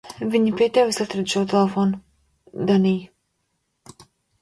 Viņi pie tevis atrada šo telefonu, Dannij!